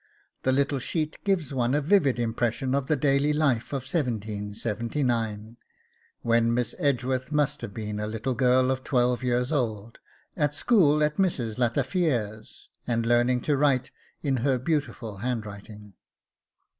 The little sheet gives one a vivid impression of that daily life in 1779, when Miss Edgeworth must have been a little girl of twelve years old, at school at Mrs. Lataffiere's, and learning to write in her beautiful handwriting.